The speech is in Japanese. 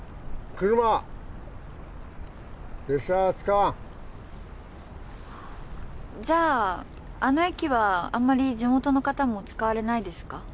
はぁじゃああの駅はあんまり地元の方も使われないですか？